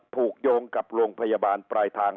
โยงกับโรงพยาบาลปลายทาง